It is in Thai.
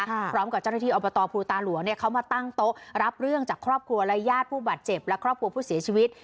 พร้อมกับเจ้าหน้าที่อบตภูตาหลวงเนี่ยเขามาตั้งโต๊ะรับเรื่องจากครอบครัวและญาติผู้บาดเจ็บและครอบครัวผู้เสียชีวิต